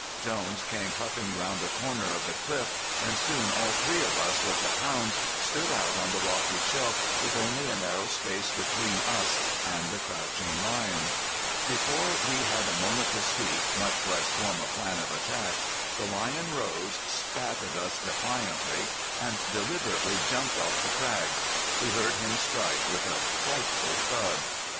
Jones came puffing around a corner of the cliff, and soon all three of us with the hounds stood out on the rocky shelf with only a narrow space between us and the crouching lion. Before we had a moment to speak, much less form a plan of attack, the lion rose, spat at us defiantly, and deliberately jumped off the crag. We heard him strike with a frightful thud.